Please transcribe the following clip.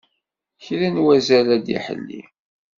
Kra n wazal ad d-iḥelli.